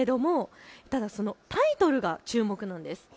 ただそのタイトルが注目なんです。